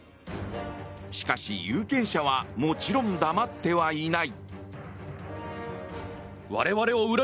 しかし、有権者はもちろん黙ってはいない。